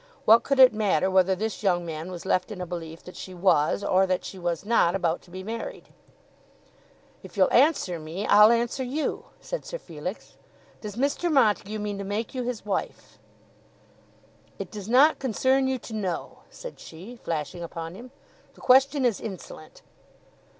What could it matter whether this young man was left in a belief that she was, or that she was not, about to be married? "If you'll answer me, I'll answer you," said Sir Felix. "Does Mr. Montague mean to make you his wife?" "It does not concern you to know," said she, flashing upon him. "The question is insolent."